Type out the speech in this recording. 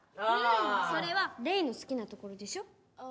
それはレイのすきなところでしょ。